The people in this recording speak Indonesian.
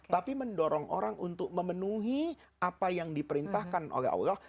tapi mendorong orang untuk memenuhi apa yang diperintahkan oleh allah